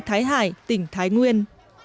thái hải tỉnh thái nguyên